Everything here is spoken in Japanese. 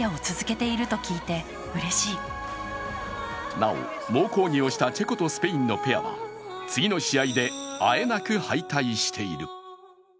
なお猛抗議をしたチェコとスペインのペアは、次の試合であえなく敗退している。